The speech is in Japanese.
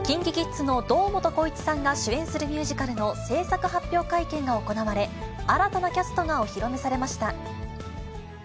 ＫｉｎｋｉＫｉｄｓの堂本光一さんが主演するミュージカルの制作発表会見が行われ、新たなキャストがお披露目されました。